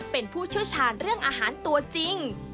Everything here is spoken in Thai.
เป็นผู้เชี่ยวชาญเรื่องอาหารตัวจริง